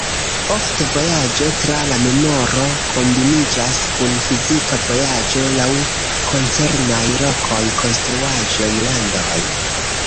Ofte, vojaĝo tra la memoro kombiniĝas kun fizika vojaĝo laŭ koncernaj lokoj, konstruaĵoj, landoj.